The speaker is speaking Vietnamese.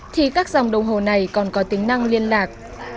thì các dòng đồng hồ này còn có tính năng liên lạc